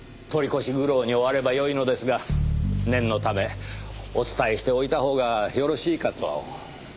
取り越し苦労に終わればよいのですが念のためお伝えしておいたほうがよろしいかと。